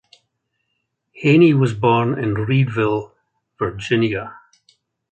Haynie was born in Reedville, Virginia.